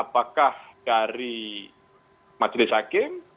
apakah dari majelis hakim